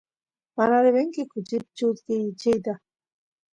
mana devenki kuchit chutkichiyta